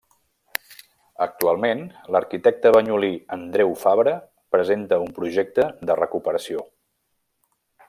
Actualment l'arquitecte banyolí, Andreu Fabra, presenta un projecte de recuperació.